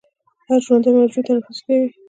هر ژوندی موجود تنفس کوي